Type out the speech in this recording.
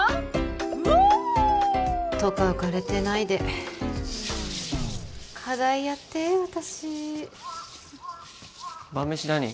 フオッとか浮かれてないで課題やって私晩飯何？